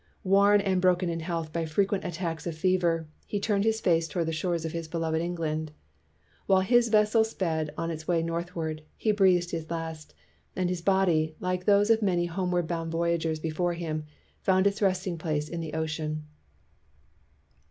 Worn and broken in health by frequent attacks of fe ver, he turned his face toward the shores of his beloved England. While his vessel sped on its way northward, he breathed his last, and his body, like those of many home ward bound voyagers before him, found its resting place in the ocean.